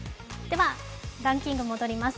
ランキングに戻ります。